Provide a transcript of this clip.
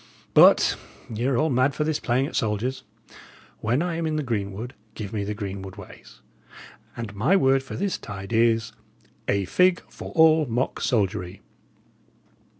But ye are all mad for this playing at soldiers. When I am in the greenwood, give me greenwood ways; and my word for this tide is: 'A fig for all mock soldiery!'"